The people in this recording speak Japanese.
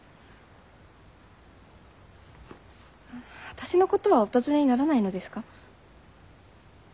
私のことはお尋ねにならないのですか？